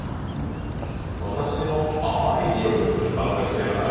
「私の甘いニオイのするサンダル知らない？」